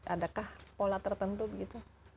adakah pola tertentu gitu